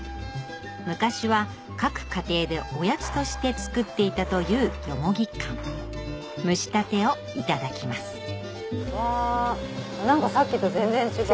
昔は各家庭でおやつとして作っていたというよもぎかん蒸したてをいただきますわ何かさっきと全然違う。